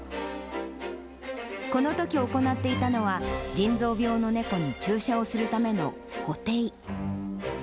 このとき行っていたのは、腎臓病の猫に注射をするための保定。